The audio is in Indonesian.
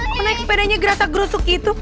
kok naik kepedanya gerasak gerosok gitu